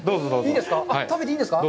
いいですか？